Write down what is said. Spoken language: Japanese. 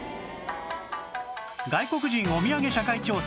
外国人おみやげ社会調査